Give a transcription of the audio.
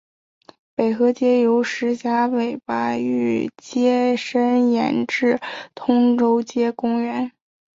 北河街由石硖尾巴域街伸延至通州街公园。